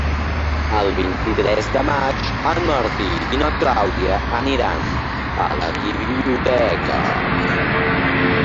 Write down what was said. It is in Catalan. El vint-i-tres de maig en Martí i na Clàudia aniran a la biblioteca.